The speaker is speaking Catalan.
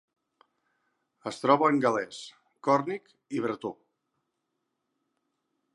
Es troba en gal·lès, còrnic i bretó.